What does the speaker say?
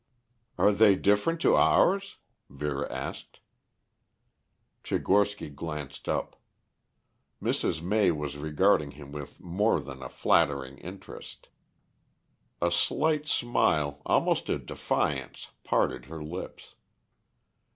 "Are they different to ours?" Vera asked. Tchigorsky glanced up. Mrs. May was regarding him with more than a flattering interest. A slight smile, almost a defiance, parted her lips.